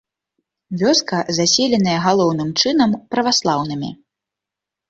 Вёска заселеная галоўным чынам праваслаўнымі.